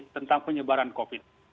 tentang penyebaran covid sembilan belas